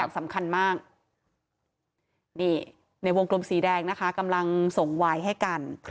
สำคัญมากนี่ในวงกลมสีแดงนะคะกำลังส่งวายให้กัน